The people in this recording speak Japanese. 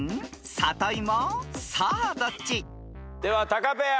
［さあどっち］ではタカペア。